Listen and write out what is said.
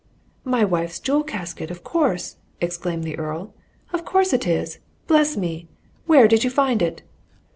"My wife's jewel casket, of course!" exclaimed the Earl. "Of course it is! Bless me! where did you find it?"